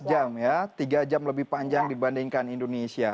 empat jam ya tiga jam lebih panjang dibandingkan indonesia